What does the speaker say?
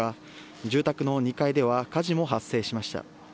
住宅の２階では火事も発生しました。